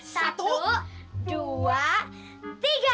satu dua tiga